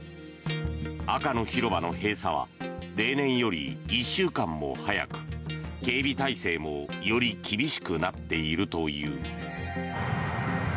赤の広場の閉鎖は例年より１週間も早く警備態勢もより厳しくなっているという。